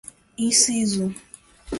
inciso